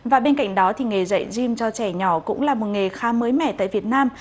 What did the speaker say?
và bên cạnh đó thì nghề dạy gym cho trẻ nhỏ cũng là một nghề khá mới mẻ tại việt nam